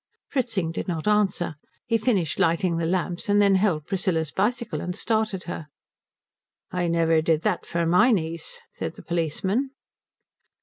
Fritzing did not answer. He finished lighting the lamps, and then held Priscilla's bicycle and started her. "I never did that for my niece," said the policeman.